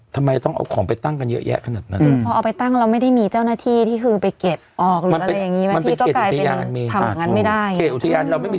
ต้มไก่ก็ได้ต้มชาก็ได้